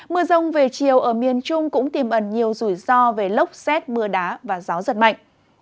mưa rông về chiều ở miền trung cũng tìm ẩn nhiều rủi ro về lốc xét mưa đá và gió giật mạnh